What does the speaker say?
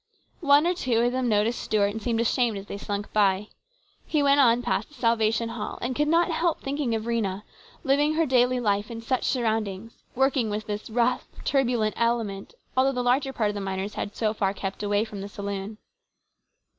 One or two of them noticed Stuart and seemed ashamed as they slunk by. He went on past the Salvation Hall, and could not help thinking of Rhena, living her daily life in such surroundings, working with this rough, turbulent element, although the larger part of the miners had so far kept away from the saloon.